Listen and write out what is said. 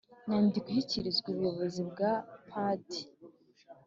nyandiko ishyikirizwa ubuyobozi bwa pdi